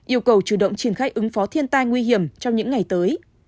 yêu cầu chủ động triển khai ứng phó thiên tai nguy hiểm trong những ngày tới